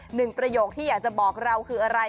ประโยคที่อยากจะบอกเราคืออะไร